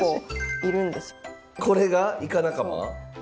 これがイカ仲間？